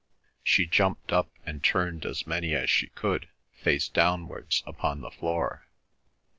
She jumped up, and turned as many as she could, face downwards, upon the floor.